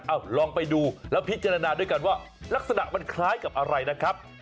เอาลองไปดูแล้วพิจารณาด้วยกันว่าลักษณะมันคล้ายกับอะไรนะครับ